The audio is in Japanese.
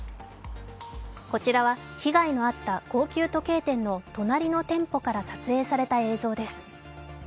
こちらは被害のあった高級時計店の隣の店舗から撮影された映像です。